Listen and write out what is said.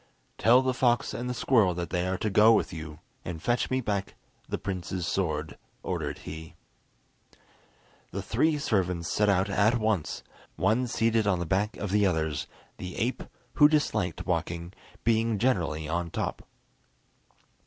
"Tell the fox and the squirrel that they are to go with you, and fetch me back the prince's sword," ordered he. The three servants set out at once, one seated on the back of the others, the ape, who disliked walking, being generally on top.